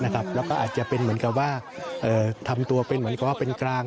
แล้วก็อาจจะเป็นเหมือนกับว่าทำตัวเป็นเหมือนกับว่าเป็นกลาง